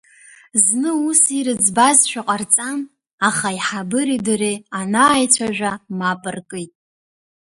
Зны ус ирыӡбазшәа ҟарҵан, аха аиҳабыреи дареи анааицәажәа, мап ркит…